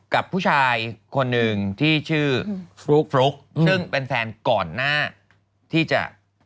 กับผู้ชายคนหนึ่งที่ชื่อฟลุ๊กฟลุ๊กซึ่งเป็นแฟนก่อนหน้าที่จะ